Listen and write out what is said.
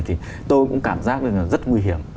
thì tôi cũng cảm giác rất nguy hiểm